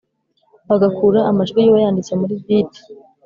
bagakura amajwi y'uwayanditse muri beat